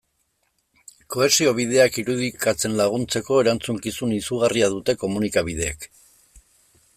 Kohesio bideak irudikatzen laguntzeko erantzukizun izugarria dute komunikabideek.